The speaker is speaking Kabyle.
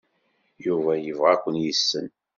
Yuba yebɣa ad ken-yessen.